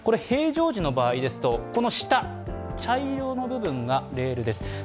平常時の場合ですと、この下、茶色い部分がレールです。